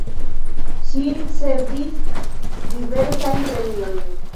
Ŝi ricevis diversajn premiojn.